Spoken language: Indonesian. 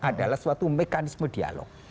adalah suatu mekanisme dialog